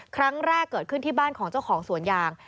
ครั้งแรกเกิดขึ้นที่บ้านของเจ้าของสวนยาง